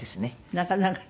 なかなかね。